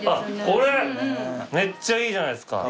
めっちゃいいじゃないですか。